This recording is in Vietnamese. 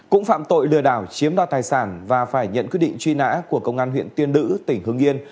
cũng phạm tội lừa đảo chiếm đoạt tài sản và phải nhận quyết định truy nã của công an huyện tiên lữ tỉnh hương yên